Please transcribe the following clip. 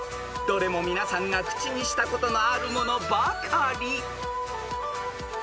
［どれも皆さんが口にしたことのあるものばかり］